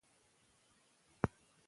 ما د بېلا بېلو منابعو څخه ګټه اخیستې ده.